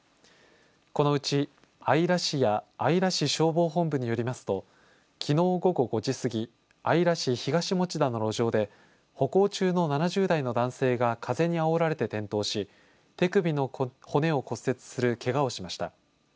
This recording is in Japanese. このうち姶良市や姶良市消防庁本部によりますときのう午後５時過ぎ、姶良市東餠田の路上で歩行中の７０代の男性が風にあおられて転倒し手首の骨を骨折するけがをしました。